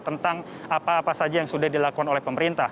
tentang apa apa saja yang sudah dilakukan oleh pemerintah